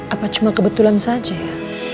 apa cuma kebetulan saja ya